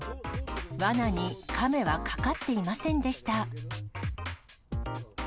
わなにカメはかかっていませんでした。